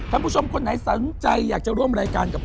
ขอบคุณครับ